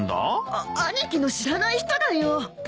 あっ兄貴の知らない人だよ。